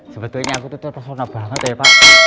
sebetulnya aku tuh terpesona banget ya pak